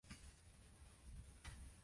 鹿児島県東串良町